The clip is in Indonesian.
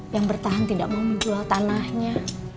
yang bertahan tidak mau menjual tanahnya